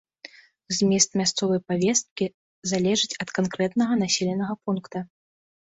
Змест мясцовай павесткі залежыць ад канкрэтнага населенага пункта.